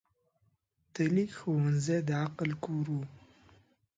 د لیک ښوونځی د عقل کور و.